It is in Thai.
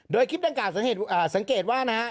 โดยคลิปดังกล่าสังเกตว่านะฮะ